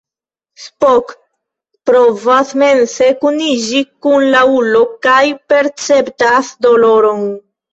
Spock provas mense kuniĝi kun la ulo, kaj perceptas doloron.